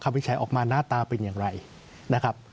คำวิชัยออกมาหน้าตาเป็นยังไงนะครับ